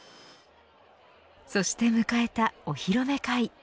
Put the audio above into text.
そして迎えたお披露目会。